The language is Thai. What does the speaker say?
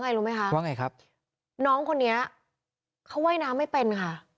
รู้ไหมคะว่าไงครับน้องคนนี้เขาว่ายน้ำไม่เป็นค่ะ